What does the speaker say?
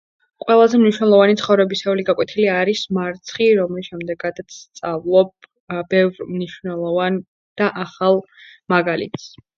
ყველაზე მნიშვნელოვანი ცხოვრებისეული გაკვეთილი არის მარცხი, რომლის შემდეგადაც სწავლობ... აა... ბევრ მნიშვნელოვან და ახალ მაგალითს.